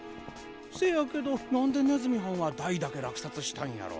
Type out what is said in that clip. せやけどなんでねずみはんは大だけらくさつしたんやろ？